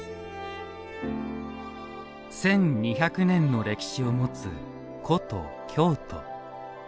１，２００年の歴史を持つ古都京都。